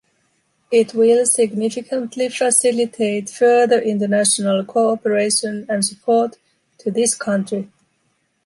It will significantly facilitate further international cooperation and support to this country.